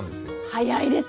早いですね。